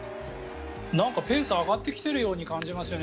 ペースが上がってきているように感じますね。